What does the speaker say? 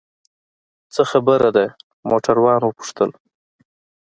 څه خبره ده؟ موټروان وپوښتل.